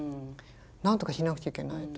なんとかしなくちゃいけないと。